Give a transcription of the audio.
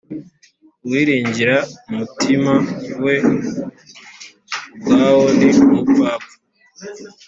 uwiringira umutima we ubwawo ni umupfapfa